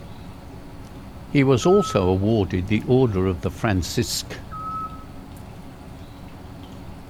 He was also awarded the Order of the Francisque.